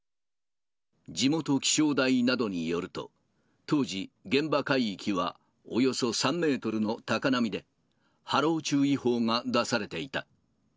地元気象台などによると、当時、現場海域は、およそ３メートルの高波で、波浪注意報が出されていた。